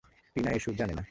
টিনা এই সুর জানে না।